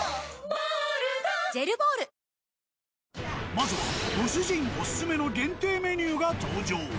まずはご主人オススメの限定メニューが登場。